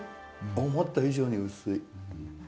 思った以上に薄い。